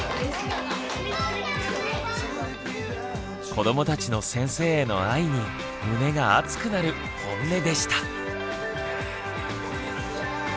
子どもたちの先生への愛に胸が熱くなるホンネでした。